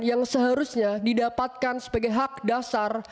yang seharusnya didapatkan sebagai hak dasar